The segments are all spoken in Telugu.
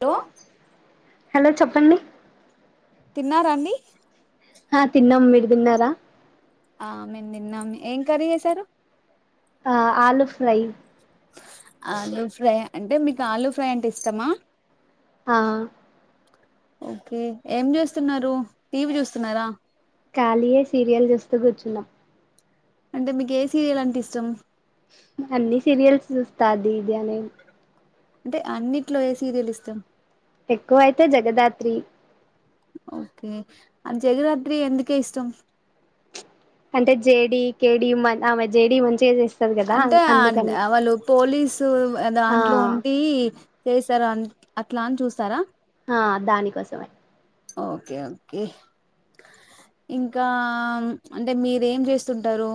హలో హలో చెప్పండి తిన్నారా అండి ఆ తిన్నాము మీరు తిన్నారా ఆ మేము తిన్నాం ఏం కర్రీ చేసారు ఆ ఆలుూ ఫ్రై ఆలూ ఫ్రై అంటే మీకు ఆలూ ఫ్రై అంటే ఇష్టమా ఆ ఓకే ఏం చూస్తున్నారు టీవీ చూస్తున్నారా ఖాళీయే సీరియల్ చూస్త కూర్చున్నాం అంటే మీకు ఏ సీరియల్ అంటే ఇష్టం అన్ని సీరియల్స్ చూస్తా అది ఇది అనే అంటే అన్నిట్లో ఏ సీరియల్ ఇష్టం ఎక్కువ అయితే జగదాత్రి ఓకే అ జగురాత్రి ఎందుక ఇష్టం అంటే జేడీ కేడీ ఆమె జేడీ మంచిగా చేస్త అంటే వాళ్ళు పోలీసు ఆ దాంట్లో ఉండి చేస్తారు అ అట్లా అని చూస్తారా ఆ దాని కోసమే ఓకే ఓకే ఇంకా అంటే మీరేం చేస్తుంటారు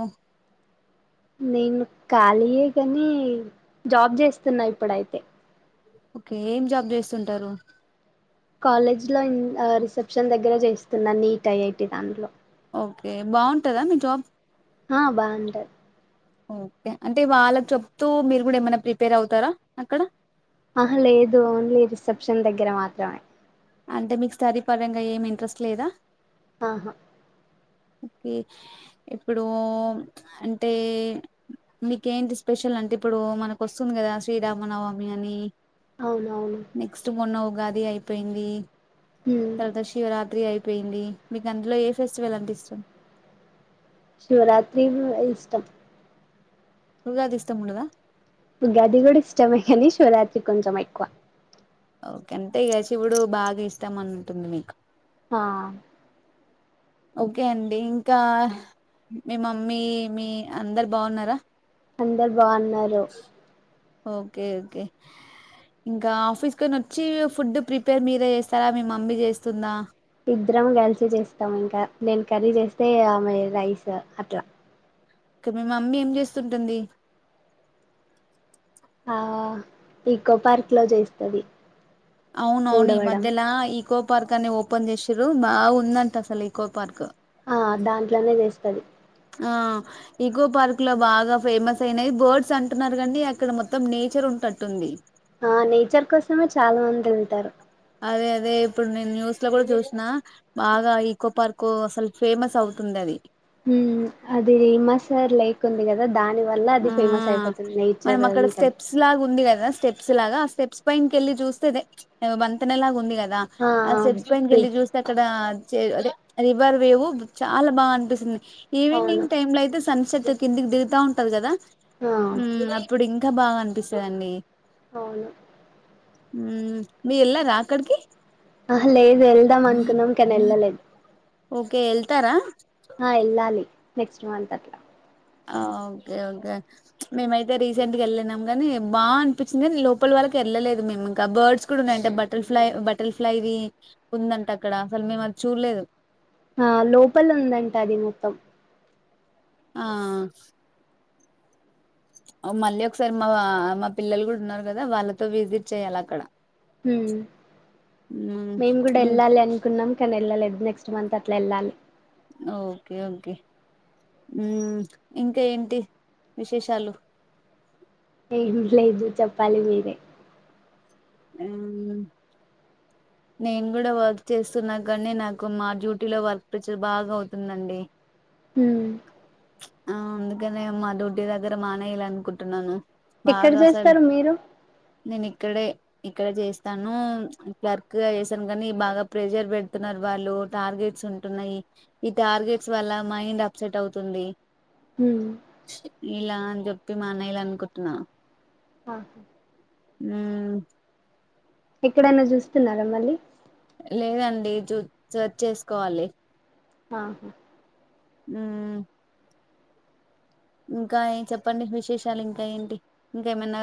నేను ఖాళీయే కాని జాబ్ చేస్తున్నా ఇప్పుడైతే ఓకే ఏం జాబ్ చేస్తుంటారు కాలేజ్ లో రిసెప్షన్ దగ్గర చేస్తున్నాను నీట్ ఐఐటి దాంట్లో ఓకే బాగుంటదా మీ జాబ్ ఆ బాగుంటది ఓకే అంటే వాళ్ళ చెప్తూ మీరు కూడా ఏమైనా ప్రిపేర్ అవుతారా అక్కడ ఆహా లేదు ఓన్లీ రిసెప్షన్ దగ్గర మాత్రమే అంటే మీకు స్టడీ పరంగా ఏమి ఇంట్రెస్ట్ లేదా ఆహా కే ఇప్పుడు అంటే మీకేంటి స్పెషల్ అంటే ఇప్పుడు మనకు వస్తుంది కదా శ్రీరామనవమి అని అవును అవును నెక్స్ట్ మొన్న ఉగాది అయిపోయింది తర్వాత శివరాత్రి అయిపో అయింది మీకు అందులో ఏ ఫెస్టివల్ అంటే ఇష్ట శివరాత్రి ఇష్టం ఉగాది ఇష్టం ఉండదా ఉగాది కూడా ఇష్టమే కానీ శివరాత్రి కొంచెం ఎక్కువ ఓకే అంటే ఇక శివుడు బాగా ఇస్తాం అనింటుంది మీకు ఆ ఓకే అండి ఇంకా మీ మమ్మీ మీ అందరు బాగున్నారా అందర్ బా బావున్నారు ఓకే ఓకే. ఇంకా ఆఫీస్కని వచ్చీ ఫుడ్ ప్రిపేర్ మీరే చేస్తారా మీ మమ్మీ చేస్తుందా. ఇద్దరం కలిసి చేస్తాం ఇంకా, నేను కర్రీ చేస్తే ఆమె రైస్ అట్లా. ఇక మీ మమ్మీ ఏం చేస్తుంటుంది. ఆ ఈకో పార్క్ లో చేస్తది. అవున్ అవును ఈ ఊడవడం మధ్యలా ఈ కో పార్క్ అని ఓపెన్ చేశిర్రూ, బాగాగుందంట అసలు ఈకో పార్క్. ఆ దాంట్లోనే చేస్తది. ఆ ఈకో పార్క్ లో బాగా ఫేమస్ అయినది బర్డ్స్ అంటున్నారు గానీ అక్కడ మొత్తం నేచర్ ఉంటట్టుంది. ఆ నేచర్ కోసమే చాలా మంది యెల్తారు. అదే అదే ఇప్పుడు నేను న్యూస్ లో కూడా చూశినా, బాగా ఈకో పార్కూ అసల్ ఫేమస్ అవుతుంది అది. హ్మ అదీ మా సార్లైక్ ఉంది కదా దాని వల్ల అది ఆ ఫేమస్ అయిపోతుంది మనం నేచర్ అక్కడ ఇంకని స్టెప్స్ లాగా ఉంది గదా స్టెప్ స్ప్స్ లాగా ఆ స్టెప్స్ పైన్ కెళ్లి చూస్తే అదే ఏదొ వంతెనలాగా ఉంది గద్ దా. ఆ స్టెప్స్ పైన్ కెళ్ళి చూస్తే అక్కడా చే అదే రివర్ వేవు చాలా బాగా అనిపిస్తుంది. అవును ఈవనింగ్ టైమ్ లో అయితే సన్సెట్. కిందికి దిగుతావుంట్ టది గదా. ఆ ఉమ్ అప్పుడింక్ కా బాగా అనిపిస్తదండీ. అవును. ఉమ్ మీర్ ఎల్లారా అక్కడకీ. అహ లేద్ వెళ్దాం అనుకున్నం కానీ ఎళ్ళలేద్. ఓకే ఎళ్తారా. ఆ ఎళ్ళాలి నెక్స్ట్ మంత్ అట్లా. ఆ ఓకే ఓకే. ప్చ్మేమయితే రీసెంట్గా వెళ్ళినం గానీ బాగ అనిపించింది గాని లోపల వరకి ఎళ్ళలేదు మేము ఇంకా, బర్డ్స్ కూడా ఉన్నాయంట బటర్ఫ్లై బటర్ఫ్లైవీ ఉందంట అక్కడ అసల్ మేము అది చూడలేదు. ఆ లోపల ఉందంట అది మొత్తం. ఆ మళ్ళీ ఒకసారి మా మా పిల్లలు కూడ ఉన్నరు కదా వాళ్ళతో విజిట్ చెయాలి అక్కడా. హ్మ మేము కూడా ఇం- ఎళ్ళాలి అనుకున్నం. కానీ ఎళ్ళలేదు నెక్స్ట్ మంత్ అట్లా ఎళ్ళాలి. Okay okay. ఉమ్ ఇంకా ఏంటి విశేషాలు. ఏం లేదు చెప్పాలి మీరే. ఆ నేను కూడా వర్క్ చేస్తున్నా గానీ, నాకు మా డ్యూటీలో వర్క్ ప్రెషర్ బాగా అవుతుందండి. హ్మ ప్చ్ ఆ అందుకనే మా డ్యూటీ దగ్గర మానెయల అనుకుంటున్నాను. ఎక్కడ చేస్తారు మీరు నేను ఇక్కడే ఇక్కడ చేస్తాను క్లర్క్ గా చేసాను కానీ బాగా ప్రెషర్ పెడుతున్నారు వాళ్ళు టార్గెట్స్ ఉంటున్నాయి ఈ టార్గెట్స్ వల్ల మైండ్ అప్సెట్ అవు తుంది హమ్ ఇలా అని చెప్పి మానేయ్యలా అనుకుంటున్నాను ఆహా ఉమ్ ఎక్కడైనా చూస్తున్నారా మళ్ళీ లేదండి జూ సర్చ్ చేసుకోవాలి ఆహా హమ్ ఇంకా చెప్పండి విశేషాలు ఇంకా ఏంటి ఇంకా ఏమన్నా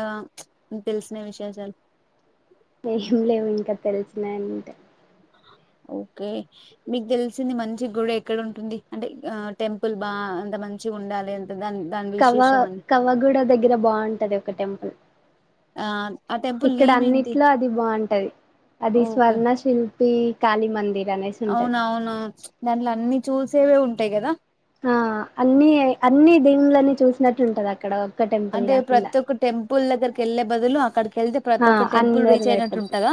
తెలిసిన విశేషాలు ఏం లేవు ఇంకా తెలిసినాయి అంటే ఓకే మీకు తెలిసింది మంచి గుడి ఎక్కడ ఉంటుంది అంటే ఆ టెంపుల్ బా అంత మంచి ఉండాలే అ కవ్వ కవ్వగూడ దగ్గర బాగుంటది ఒక టెంపుల్ ఆ ఆ టెంపుల్ ఇక్కడ నేమ్ ఏంటి అన్నిట్లో అది బాగుంటది అది స్వర్ణశిల్ ఈ కాళీ మందిర్ అనేసి ఉంటది అవున అవును దానిలో అన్ని చూసేవే ఉంటాయి కదా ఆ అన్ని అన్ని దీన్లన్నీ చూసినట్టు ఉంటాది అక్కడ ఒక్క టెంపుల్ అంటే కాకుండా ప్రతి ఒక్క టెంపుల్ దగ్గరకి వెళ్లే బదులు అక్కడికి వెళ్తే ప్రతి ఆ ఒక్క టెంపుల్ అందరు రీచ్ అయినట్టు భయపడుతు ఉంటాదా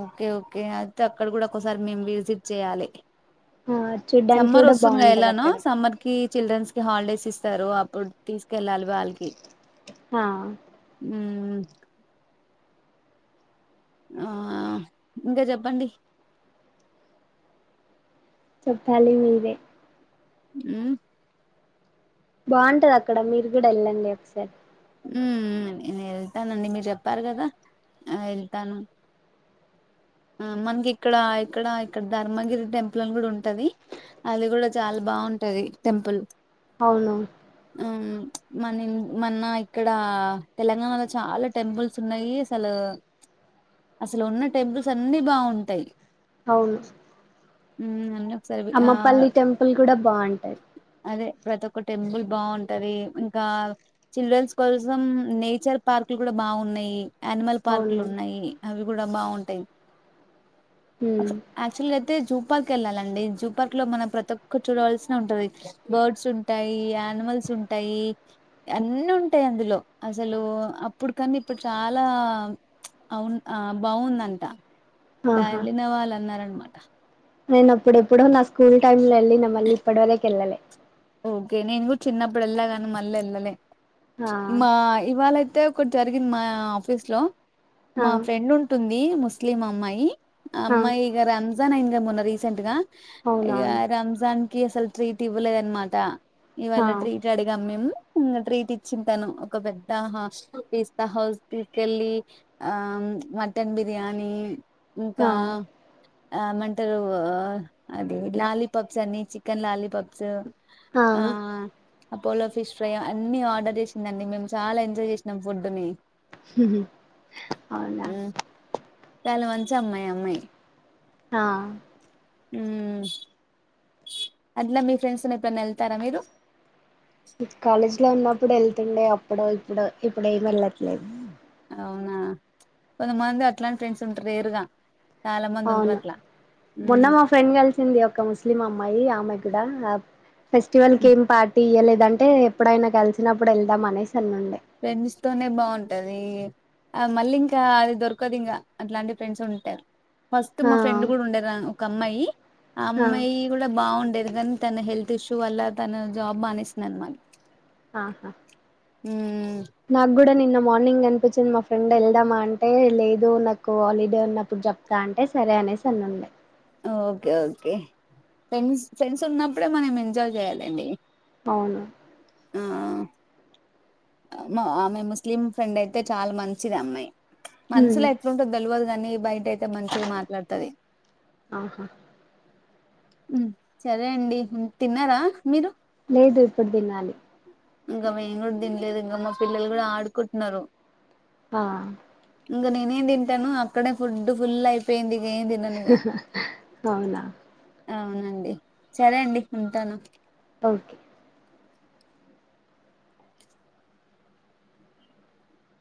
ఓకే ఓకే హే అయితే అక్కడ కూడా ఒకసారి మేము విజిట్ చేయ్యాలి ఆ చూడ్డానికి సమ్మర్ కూడా వస్తుందిగా బాగుంటది ఎలానో అక్కడ సమ్మర్ కి చిల్డ్రన్స్ కి హాలిడేస్ ఇస్త తరువా తీసుకెళ్ళాలి వాళ్ళకి హా హమ్ ఆ ఇంకా చెప్పండి చెప్పాలి మీరే ఆమ్ బాగుంటాది అక్కడ మీరు కూడా వెళ్ళండి ఒక్కసారి ఊ నేను వెళ్తానండి మీరు చెప్పారు కదా వెళ్తాను ఆ మనకి ఇక్కడ ఇక్కడ ఇక్కడ ధర్మగిరి టెంపుల్ని కూడా ఉంటాది అది కూడా చాలా బాగుంటాది టెంపుల్ అవును ఉమ్ మన మన్న ఇక్కడ తెలంగాణలో చాలా టెంపుల్స్ ఉన్నాయి అసలు అసలు ఉన్న టెంపుల్స్ అన్ని బాగుంటాయి అవును ఉమ్ సరే వి ఆ అమ్మపల్లి టెంపుల్ కూడా బాగుంటది అదే ప్రతి ఒక్క టెంపుల్ బాగుంటది ఇంకా చిల్డ్రన్స్ కోసం నేచర్ పార్క్లు కూడా బాగున్నాయి యనిమల్ పార్కులు అవును ఉన్నాయి అవి కూడా బాగున్నాయి ఉంటాయి ఉమ్ యాక్టువల్ గా అయితే జూ పార్క్ వెళ్ళాలండి జూపార్క్ లో మనం ప్రతి ఒక్కటి చూడవల్సిన ఉంటాది బర్డ్స్ ఉంటాయి యానిమల్స్ ఉంటాయి అన్నీ ఉంటాయి అందులో అసలు అప్పుడు కన్నా ఇప్పుడు చాలా అవును బాగుందంట ఆహా గార్లదిన్నె వాళ్లు అన్నారనమాట ట నేను అప్పుడెప్పుడో నా స్కూల్ టైమ్ లో వెళ్ళా నేను మళ్ళీ ఇప్పుడ వరకి వెళ్ళలే ఓకే నేను కూడా చిన్నప్పుడు వెళ్లాగాని మళ్ళీ వెళ్ళలే ఆ మా ఇవాళయితే ఒకటి జరిగింది మా ఆఫీస్ లో ఆ మా ఫ్రెండ్ ఉంటుంది ము ముస్లిం ఆ అమ్మాయి ఆ అమ్మాయి ఇగ రన్ రంజా న్ అయిందిగా మొన్నా రీసెంట్ గా ఇగ అవునవును రంజాన్ కి అస్సలు ట్రీట్ ఇవ్వలేదు అనమా ట ఆ ఇవాళ ట్రీట్ అడిగాం మేము ఇంగ ట్రీట్ ఇచ్చింది తను ఒక పెద్ద హాస్ పిస్తా హౌస్ తీసుకెళ్ళి ఆ మటన్ బిర్యానీ ఆ ఇంకా ఆమంటారు అది లాలీపాప్స్ అని చికెన్ లాలీపాప్సు ఆ అపోలో ఫిష్ ఫ్రై అన్ని ఆర్డర్ చేసింది అండి మేము చాలా ఎంజాయ్ చేసినాం ఫుడ్ ని అవునా ఉమ్, చాలా మంచి అమ్మాయి ఆ అమ్మాయి ఆ ఉ అట్లా మీ ఫ్రెండ్స్ ని ఎప్పుడన్న ఎళ్తారా మీరు కాలేజ్ లో ఉన్నప్పుడు వెళ్తుండే అప్పుడు ఇప్పుడు ఇప్పుడేమి వెళ్ళట్లేదు అవునా కొంత మంది అట్లాంటి ఫ్రెండ్స్ ఉంటారు రేర్ గా అవును మొన్న మా ఫ్రెండ్ కలిసింది ఒక ముస్లిం అమ్మాయి ఆమాయి కలిసిండ ఇంకా ఫెస్టివల్ కేం పార్టీ ఇయ్యలే అంటే ఎప్పుడైనా కలిసినప్పుడు వెళ్దాం అనేసి అనుండి ఫ్రెండ్స్ తోనే బాగుంటది ఆ మళ్ళీ ఇంకా అది దొరకదు ఇంగ అట్లాంటి ఫ్రెండ్స్ ఉంటా ఫస్ట్ ఆ మా ఫ్రెండ్ కూడా ఉండేది ఒక అమ్మాయి ఆ అమ్మాయి కూడా బాగుండేది కాని తన హెల్త్ ఇష్యూ వల్ల తన జాబ్ మానేసింది అనమాట ఆహా ఊ నాకు కూడా నిన్న మార్నింగ్ అనిపించింది మా ఫ్రెండ్ వెళ్దామా అంటే లేదు నాకు ఆలిడే ఉన్నప్పుడు చెప్తా అంటే సరే అనేసి అను ఉండే ఓకే ఓకే, ఫ్రెండ్స్ ఫ్రెండ్స్ ఉన్నప్పుడే మనం ఎంజాయ్ చేయ్యాలండి. అవును ఆ ఆమె ముస్లిం ఫ్రెండ్ అయితే చాలా మంచిదమ్మాయి. ఉమ్ మనసులో ఎట్ల ఉంటదో తెలివదు. కానీ బయట ఎట్ తే మంచిగా మాట్లాడతది ఆహా సరే అండి, తిన్నారా మీరు? లేదు ఇప్పుడు తినాలి. ఇంకా మేము కూడా తిన్లేదు ఇంకా, మా పిల్లలు కూడా ఆడుకుంటున్నారు. ఆ ఇంగ నేనేం తింటాను, అక్కడే ఫుడ్ ఫుల్లయిపోయింది. అవునా అవునండి, సరే అండి ఉంటాను. ఓకే